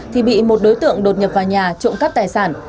thì bị một đối tượng đột nhập vào nhà trộm cắp tài sản